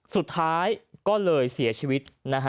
สุดท้ายก็เลยเสียชีวิตนะฮะ